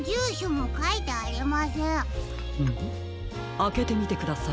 あけてみてください。